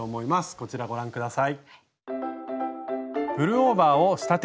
こちらご覧下さい。